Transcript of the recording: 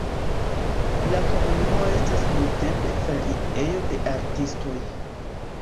La komunumo estas nuntempe feriejo de artistoj.